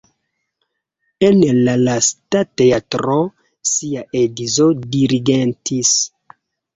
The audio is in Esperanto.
En la lasta teatro ŝia edzo dirigentis.